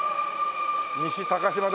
西高島平。